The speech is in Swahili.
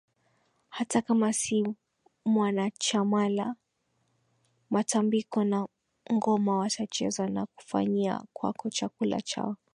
hata kama si mwanachamaIla matambiko na ngoma watacheza na kufanyia kwakoChakula chao